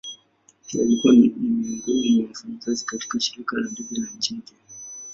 Pia alikuwa ni miongoni mwa wafanyakazi katika shirika la ndege la nchini kenya.